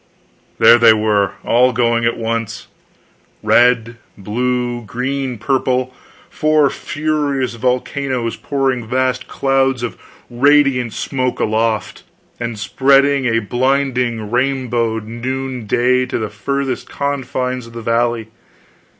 There they were, all going at once, red, blue, green, purple! four furious volcanoes pouring vast clouds of radiant smoke aloft, and spreading a blinding rainbowed noonday to the furthest confines of that valley.